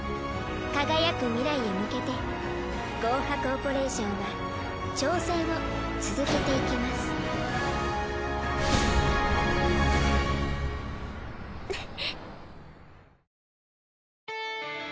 輝く未来へ向けてゴーハ・コーポレーションは挑戦を続けていきますフフッ。